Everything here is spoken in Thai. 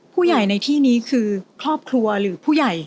ผู้ใหญ่ในที่นี้คือครอบครัวหรือผู้ใหญ่